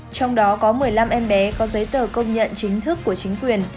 trong đó có một mươi năm em bé có giấy tờ công nhận chính thức của chính quyền